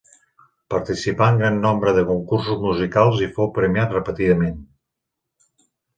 Participà en gran nombre de concursos musicals i fou premiat repetidament.